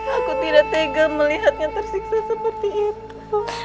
aku tidak tega melihatnya tersiksa seperti itu